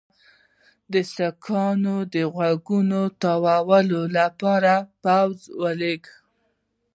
هغه د سیکهانو د غوږونو تاوولو لپاره پوځ ولېږه.